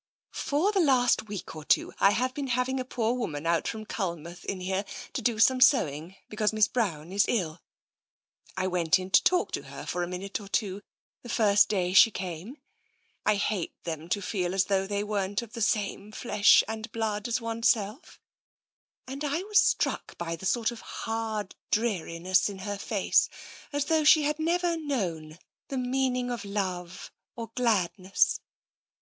" For the last week or two I have been having a poor woman out from Culmouth in here to do some sewing, because Miss Brown is ill. I went in to talk to her for a minute or two, the first day she came. I hate them to feel as though they weren't of the same flesh and blood as oneself — and I was struck by TENSION 73 the sort of hard dreariness in her face, as though she had never known the meaning of love or gladness.